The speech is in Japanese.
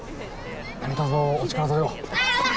何とぞお力添えを。